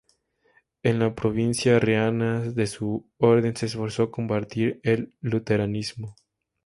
En la provincia renana de su orden se esforzó en combatir el luteranismo.